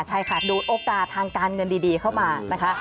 ใช่ค่ะดูดโอกาสทางการเงินดีเข้ามานะคะ